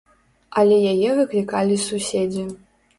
Але яе выклікалі суседзі.